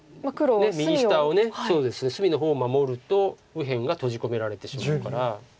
ねえ右下を隅の方を守ると右辺が閉じ込められてしまうから。